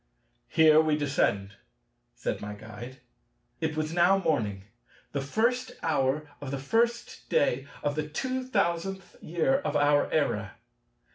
"Here we descend," said my Guide. It was now morning, the first hour of the first day of the two thousandth year of our era.